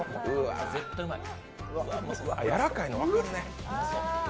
やらかいの分かるね。